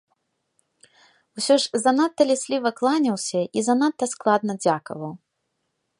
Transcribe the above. Усё ж занадта лісліва кланяўся і занадта складна дзякаваў.